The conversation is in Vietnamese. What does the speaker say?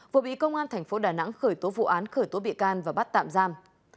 vừa bị công an tp đà nẵng khởi tố vụ án khởi tố bị can và bắt tạm giam